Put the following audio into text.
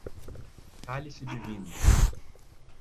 Cálice divino